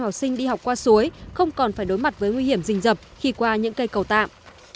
học sinh đi học qua suối không còn phải đối mặt với nguy hiểm rình dập khi qua những cây cầu tạm